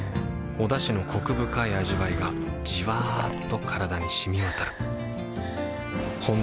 おだしのコク深い味わいがじわっと体に染み渡るはぁ。